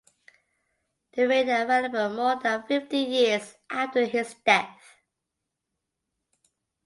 They remain available more than fifty years after his death.